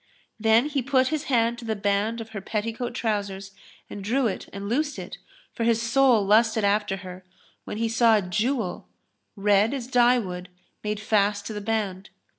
" Then he put his hand to the band of her petticoat trousers and drew it and loosed it, for his soul lusted after her, when he saw a jewel, red as dye wood, made fast to the band.